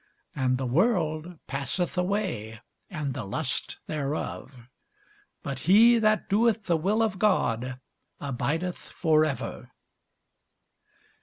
And the world passeth away, and the lust thereof: but he that doeth the will of God abideth for ever.